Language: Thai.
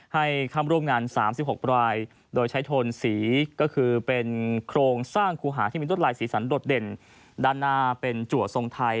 ให้เข้าร่วมงาน๓๖รายโดยใช้โทนสีก็คือเป็นโครงสร้างคูหาที่มีรวดลายสีสันโดดเด่นด้านหน้าเป็นจัวทรงไทย